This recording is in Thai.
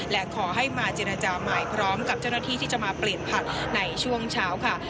และขอให้มาเจรจาใหม่พร้อมกับเจ้าหน้าที่ที่จะมาเปลี่ยนผักในช่วงเช้าค่ะ